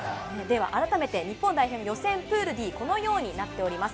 改めて日本代表の予選プールＤ、このようになっております。